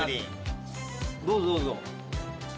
どうぞどうぞ。